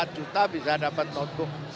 tiga empat juta bisa dapat notebook